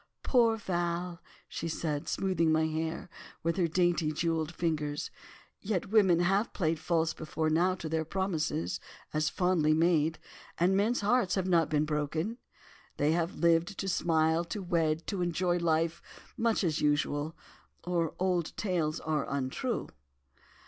"'Poor Val!' said she, smoothing my hair with her dainty jewelled fingers, 'yet women have played false before now to their promises, as fondly made, and men's hearts have not been broken. They have lived to smile, to wed, to enjoy life much as usual—or old tales are untrue.